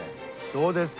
どうですか？